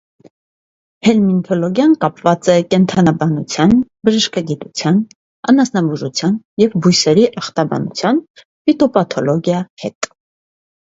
Հելմինթոլոգիան կապված է կենդանաբանության, բժշկագիտության, անասնաբուժության և բույսերի ախտաբանության (ֆիտոպաթոլոգիա) հետ։